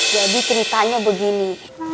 jadi ceritanya begini